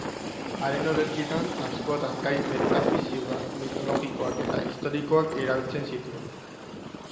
Haren olerkietan askotan gai metafisiko, mitologiko eta historikoak erabiltzen zituen.